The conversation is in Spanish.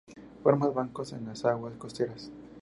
Forma bancos en las aguas costeras